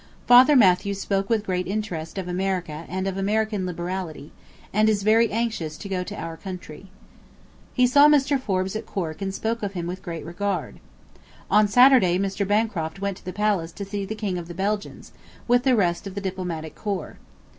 Father Mathew spoke with great interest of America and of American liberality, and is very anxious to go to our country. He saw Mr. Forbes at Cork and spoke of him with great regard. ... On [Saturday] Mr. Bancroft went to the palace to see the King of the Belgians, with the rest of the Diplomatic Corps.